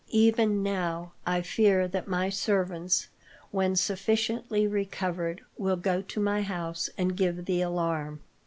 Even now, I fear that my servants, when sufficiently recovered, will go to my house and give the alarm."